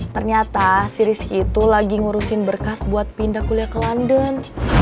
ternyata si rizky itu lagi ngurusin berkas buat pindah kuliah ke london